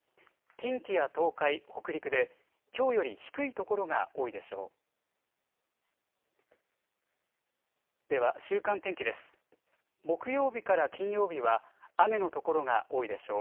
近畿や東海北陸できょうより低い所が多いでしょう。